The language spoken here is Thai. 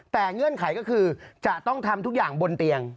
แต่เงื่อนไขก็คือจะต้องทำทุกอย่างบนเตียง